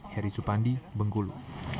heri supandi bengkulu